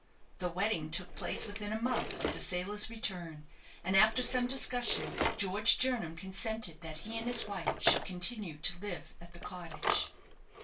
The wedding took place within a month of the sailor's return; and, after some discussion, George Jernam consented that he and his wife should continue to live at the cottage.